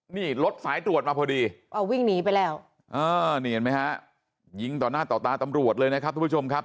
นี่เห็นมั้ยฮะยิงต่อหน้าต่อตาตำรวจเลยนะครับทุกผู้ชมครับ